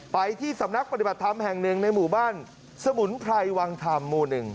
ไปที่สำนักปฏิบัติธรรมแห่งหนึ่งในหมู่บ้านสมุนไพรวังธรรมหมู่๑